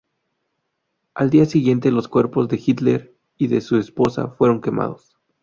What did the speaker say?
Al día siguiente los cuerpos de Hitler y de su esposa fueron quemados.